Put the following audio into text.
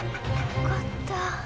よかった。